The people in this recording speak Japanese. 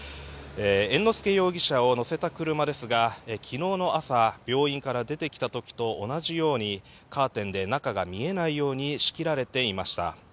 猿之助容疑者を乗せた車ですが昨日の朝、病院から出てきた時と同じようにカーテンで中が見えないように仕切られていました。